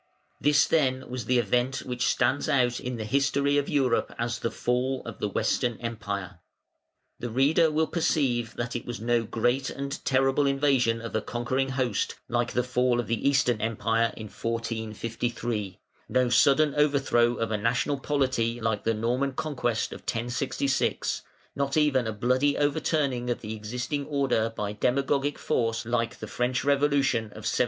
] This then was the event which stands out in the history of Europe as the "Fall of the Western Empire" The reader will perceive that it was no great and terrible invasion of a conquering host like the Fall of the Eastern Empire in 1453; no sudden overthrow of a national polity like the Norman Conquest of 1066; not even a bloody overturning of the existing order by demagogic force like the French Revolution of 1792.